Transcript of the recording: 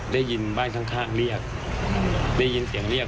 ได้ยินบ้านข้างเรียกได้ยินเสียงเรียก